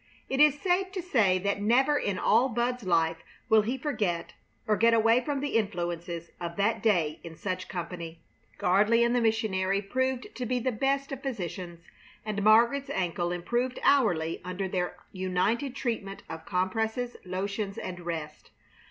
It is safe to say that never in all Bud's life will he forget or get away from the influences of that day in such company. Gardley and the missionary proved to be the best of physicians, and Margaret's ankle improved hourly under their united treatment of compresses, lotions, and rest.